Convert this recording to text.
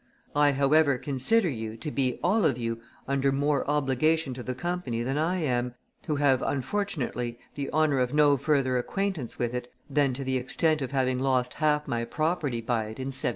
I, however, consider you to be all of you under more obligation to the Company than I am, who have unfortunately the honor of no further acquaintance with it than to the extent of having lost half my property by it in 1720.